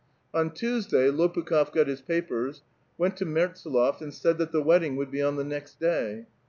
^ On Tuesday Lopukh6f got his i)apers, went to ]VIertsdh)f and said that the wedding wouhl be on the next day.